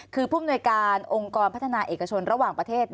คือผู้มนวยการองค์กรพัฒนาเอกชนระหว่างประเทศ